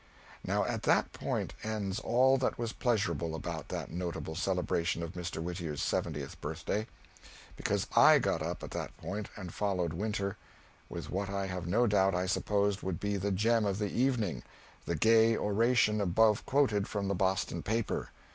Now at that point ends all that was pleasurable about that notable celebration of Mr. Whittier's seventieth birthday because I got up at that point and followed Winter, with what I have no doubt I supposed would be the gem of the evening the gay oration above quoted from the Boston paper.